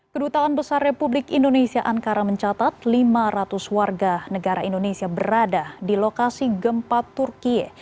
kedutaan besar republik indonesia ankara mencatat lima ratus warga negara indonesia berada di lokasi gempa turkiye